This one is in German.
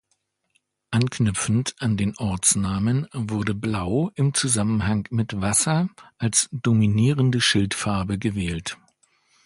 Anknüpfend an den Ortsnamen wurde Blau im Zusammenhang mit Wasser als dominierende Schildfarbe gewählt.